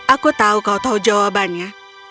aku tahu kau tahu jawabannya